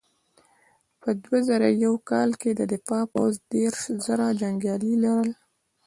په دوه زره یو کال کې د دفاع پوځ دېرش زره جنګیالي لرل.